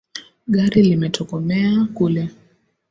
Gari limetokomea kule